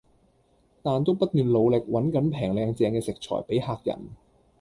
但都不斷努力搵緊平靚正嘅食材俾客人